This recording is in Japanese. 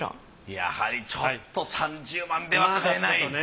やはりちょっと３０万では買えない。